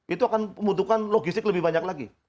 itu akan membutuhkan logistik lebih banyak lagi